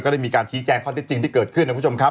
ก็ได้มีการชี้แจงความจริงที่เกิดขึ้นนะครับ